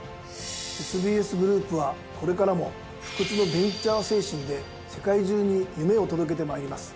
ＳＢＳグループはこれからも不屈のベンチャー精神で世界中に夢を届けてまいります。